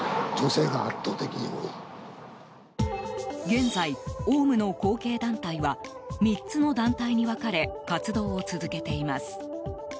現在、オウムの後継団体は３つの団体に分かれ活動を続けています。